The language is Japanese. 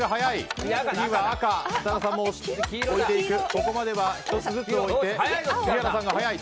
ここまでは１つずつ置いて杉原さんが早い。